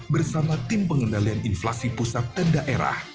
bersama tim pengendalian inflasi pusat dan daerah